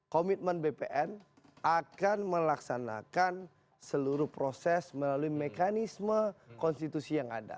komitmen bpn akan melaksanakan seluruh proses melalui mekanisme konstitusi yang ada